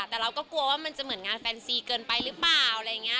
แต่เราก็กลัวว่ามันจะเหมือนงานแฟนซีเกินไปหรือเปล่า